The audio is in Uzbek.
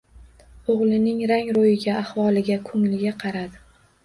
Oʻgʻlining rang-roʻyiga, ahvoliga, koʻngliga qaradi